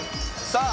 さあ。